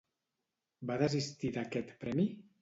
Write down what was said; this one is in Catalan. Va desistir d'aquest premi?